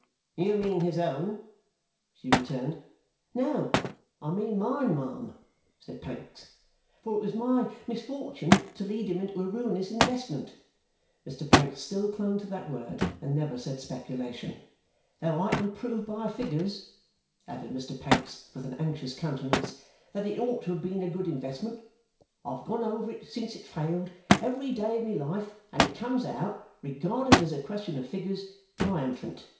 'You mean his own,' she returned. 'No, I mean mine, ma'am,' said Pancks, 'for it was my misfortune to lead him into a ruinous investment.' (Mr Pancks still clung to that word, and never said speculation.) 'Though I can prove by figures,' added Mr Pancks, with an anxious countenance, 'that it ought to have been a good investment. I have gone over it since it failed, every day of my life, and it comes out regarded as a question of figures triumphant.